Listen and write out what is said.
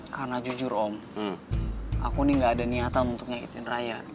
karena jujur om aku ini gak ada niatan untuk nyakitin raya